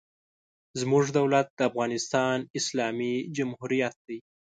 زموږ دولت د افغانستان اسلامي جمهوریت دی.